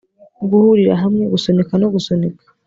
guhurira hamwe, gusunika no gusunika